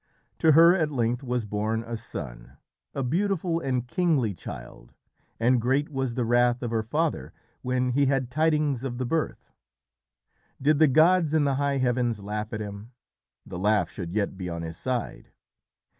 To her at length was born a son, a beautiful and kingly child, and great was the wrath of her father when he had tidings of the birth. Did the gods in the high heavens laugh at him? The laugh should yet be on his side.